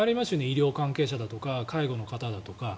医療関係者だとか介護の方だとか。